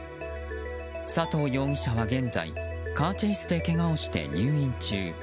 佐藤容疑者は現在カーチェイスでけがをして入院中。